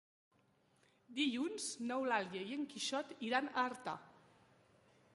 Dilluns n'Eulàlia i en Quixot iran a Artà.